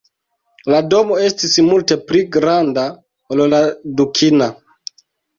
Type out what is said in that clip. La domo estis multe pli granda ol la dukina.